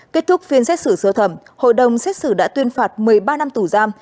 kết thúc phiên xét xử sơ thẩm hội đồng xét xử đã tuyên phạt một mươi ba năm tù giam